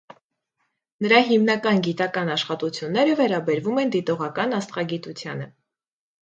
Նրա հիմնական գիտական աշխատությունները վերաբերվում են դիտողական աստղագիտությանը։